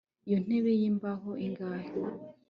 iyo ntebe yimbaho ingahe